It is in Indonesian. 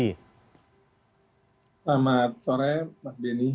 selamat sore mas denny